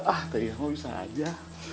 ah teh bisa saja